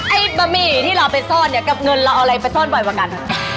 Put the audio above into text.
บะหมี่ที่เราไปซ่อนเนี่ยกับเงินเราเอาอะไรไปซ่อนบ่อยกว่ากัน